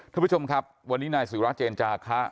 ท่านผู้ชมครับวันนี้นายศิราเจนจาคะ